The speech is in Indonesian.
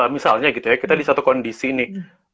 misalnya gitu ya kita di satu kondisi nih